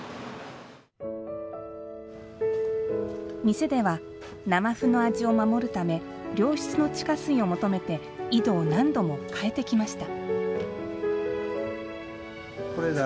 店では、生麩の味を守るため良質の地下水を求めて井戸を何度も替えてきました。